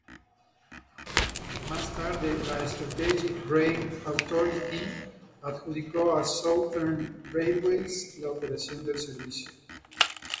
Más tarde, la "Strategic Rail Authority" adjudicó a Southeastern Railways la operación del servicio.